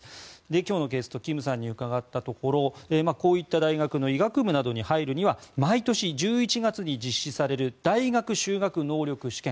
今日のゲストキムさんに伺ったところこういった大学の医学部などに入るには毎年１１月に実施される大学修学能力試験